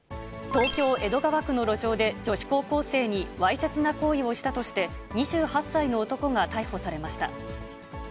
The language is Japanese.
東京・江戸川区の路上で、女子高校生にわいせつな行為をしたとして、２８歳の男が逮捕されました。